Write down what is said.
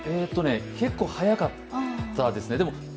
結構早かったですね。